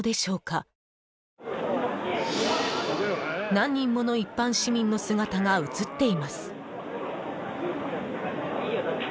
［何人もの一般市民の姿が映っています］